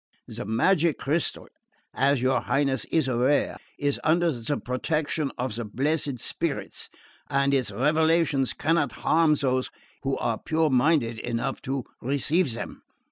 The magic crystal, as your Highness is aware, is under the protection of the blessed spirits, and its revelations cannot harm those who are pure minded enough to receive them.